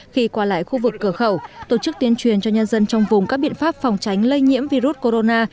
khi qua lại khu vực cửa khẩu tổ chức tuyên truyền cho nhân dân trong vùng các biện pháp phòng tránh lây nhiễm virus corona